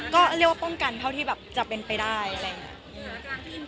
ก็เรียกว่าป้องกันเท่าที่แบบจะเป็นไปได้อะไรอย่างนี้